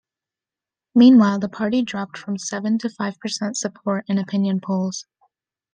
Meanwhile, the party dropped from seven to five percent support in opinion polls.